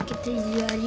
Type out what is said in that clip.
kita jual yuk